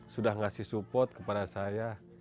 sudah ngasih support kepada saya